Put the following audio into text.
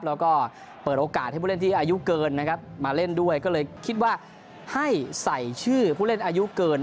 แล้วก็เปิดโอกาสให้ผู้เล่นที่อายุเกินมาเล่นด้วยก็เลยคิดว่าให้ใส่ชื่อผู้เล่นอายุเกิน